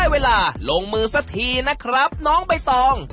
เวลาลงมือสักทีนะครับน้องใบตอง